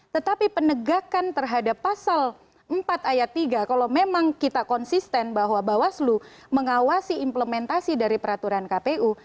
tetapi penegakan terhadap pasal empat ayat tiga kalau memang kita konsisten bahwa bawaslu mengawasi implementasi dari peraturan kpu